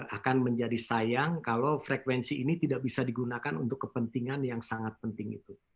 akan menjadi sayang kalau frekuensi ini tidak bisa digunakan untuk kepentingan yang sangat penting itu